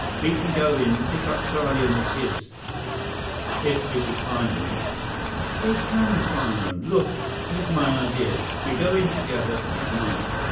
We can go in, pick up Charlie and the kids—" "If we could find them." "We can find them. Look, here's my idea. We go in together. At night.